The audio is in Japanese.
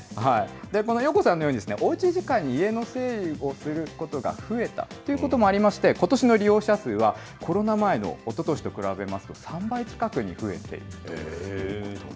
このようこさんのように、おうち時間に家の整理をすることが増えたということもありまして、ことしの利用者数は、コロナ前のおととしと比べますと、３倍近くに増えているということです。